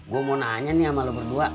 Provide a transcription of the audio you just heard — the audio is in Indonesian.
gue mau nanya nih sama lo berdua